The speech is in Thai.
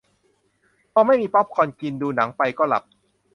พอไม่มีป๊อปคอร์นกิน ดูหนังไปก็หลับ